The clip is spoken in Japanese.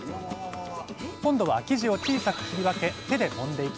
今度は生地を小さく切り分け手でもんでいきます。